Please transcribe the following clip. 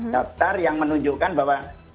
daftar yang menunjukkan bahwa